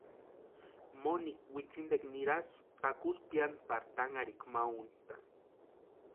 Monika witsintekwa nirasti takusï piani pari tanharhikwa ma úntʼani.